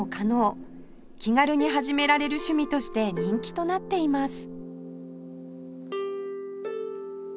気軽に始められる趣味として人気となっています